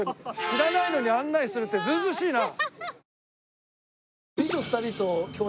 知らないのに案内するってずうずうしいな。